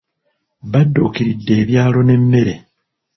Badduukiridde ebyalo n'emmere.